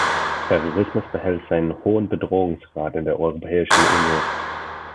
Terrorismus behält seinen hohen Bedrohungsgrad in der Europäischen Union.